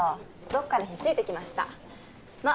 どっかでひっついてきましたま